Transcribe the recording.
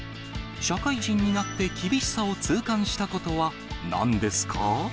社会人になって厳しさを痛感したことはなんですか？